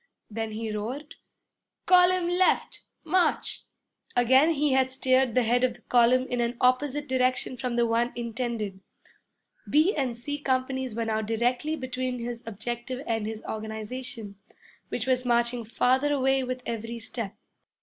Then he roared, 'Column left! March!' Again he had steered the head of the column in an opposite direction from the one intended. B and C companies were now directly between his objective and his organization, which was marching farther away with every step.